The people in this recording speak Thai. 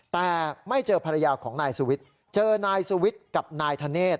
แต่ไม่เจอภรรยาของนายสุวิทย์เจอนายสุวิทย์กับนายธเนธ